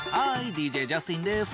ＤＪジャスティンです。